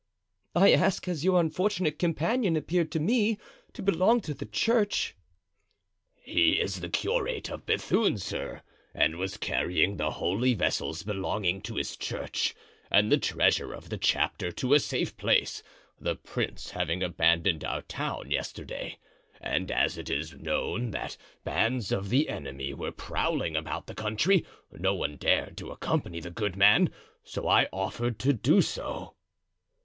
"I ask, as your unfortunate companion appeared to me to belong to the church." "He is the curate of Bethune, sir, and was carrying the holy vessels belonging to his church, and the treasure of the chapter, to a safe place, the prince having abandoned our town yesterday; and as it was known that bands of the enemy were prowling about the country, no one dared to accompany the good man, so I offered to do so.